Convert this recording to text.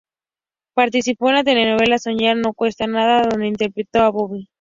Participó en la telenovela "Soñar no cuesta nada" donde interpretó a "Bobby".